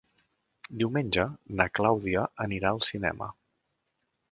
Diumenge na Clàudia anirà al cinema.